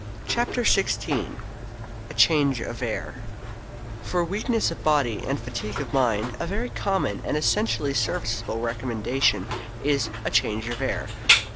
CHAPTER XVI A CHANGE OF AIR For weakness of body and fatigue of mind a very common and essentially serviceable recommendation is "a change of air."